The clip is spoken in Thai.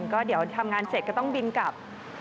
ก็เดี๋ยวทำงานเสร็จก็ต้องบินกลับ